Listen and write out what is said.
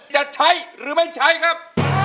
จะใช้หรือไม่ใช้ครับ